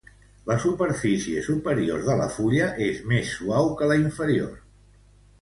La superfície superior de la fulla és més suau que la inferior.